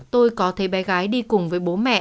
tôi có thấy bé gái đi cùng với bố mẹ